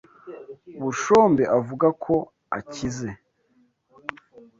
Bushombe avuga ko akize.